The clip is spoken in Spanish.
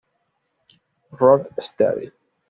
Rock Steady".